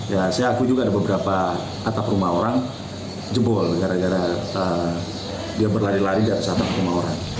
ya saya akui juga ada beberapa atap rumah orang jebol gara gara dia berlari lari di atas atap rumah orang